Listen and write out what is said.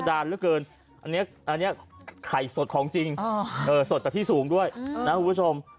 อันนี้ไข่สดของจริงสดแต่ที่สูงด้วยนะคุณผู้ชม